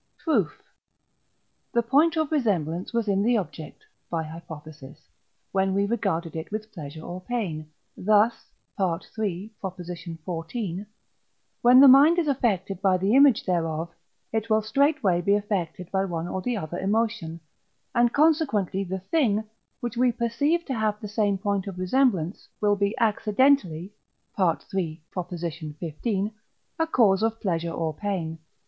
Proof. The point of resemblance was in the object (by hypothesis), when we regarded it with pleasure or pain, thus (III. xiv.), when the mind is affected by the image thereof, it will straightway be affected by one or the other emotion, and consequently the thing, which we perceive to have the same point of resemblance, will be accidentally (III. xv.) a cause of pleasure or pain.